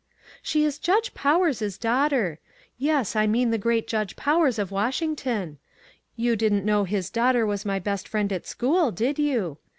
" She is Judge Powers' daughter ; yes, I mean the great Judge Powers of Washing ton. You didn't know his daughter was my best friend at school, did you